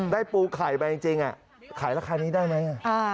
ปูไข่ไปจริงขายราคานี้ได้ไหม